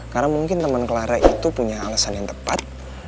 karena mungkin temen clara itu punya alasan yang tepat